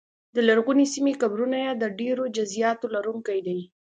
د لرغونې سیمې قبرونه یې د ډېرو جزییاتو لرونکي دي